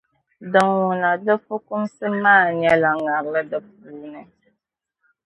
Din ŋuna, di fukumsi maa nyɛla ŋarili di puuni.